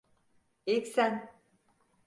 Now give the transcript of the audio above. İlk sen.